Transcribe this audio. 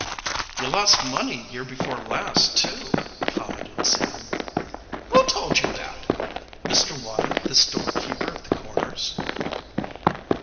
"You lost money year before last, too," commented Sam. "Who told you that?" "Mr. Woddie, the storekeeper at the Corners."